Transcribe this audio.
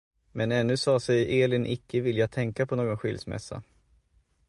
Men ännu sade sig Elin icke vilja tänka på någon skilsmässa.